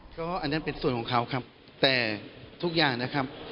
ก็อันนั้นเป็นส่วนของเขาครับแต่ทุกอย่างนะครับ